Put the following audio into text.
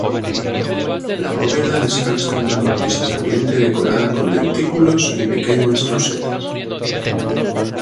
La bóveda descansa en una cornisa saliente decorada con dentículos y pequeñas rosetas.